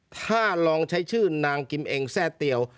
ถ้าลองใช้ชื่อนางกิมเองแทร่เตียว